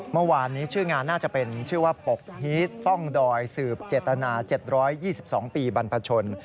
เมื่อวานนี้ชื่องานน่าจะเป็นชื่อว่าปกฮีตฟ่องดอยสืบเจตนา๗๒๒ปีบรรพชน